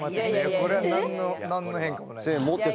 これは何の変化もないですよ。